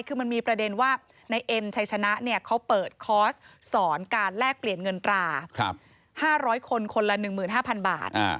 คือมันมีประเด็นว่าในเอ็มชัยชนะเขาเปิดคอร์สสอนการแลกเปลี่ยนเงินตรา๕๐๐คนคนละ๑๕๐๐บาท